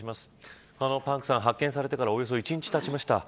パンクさん発見されてからおよそ１日たちました。